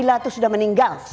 nayla tuh sudah meninggal